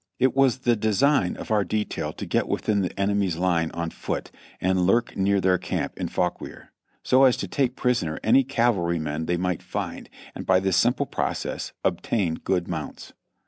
It was the design of our detail to get within the enemy's line on foot and lurk near their camp in Fauquier, so as to take pris oner any cavalrymen they might find, and by this simple process obtain good mounts.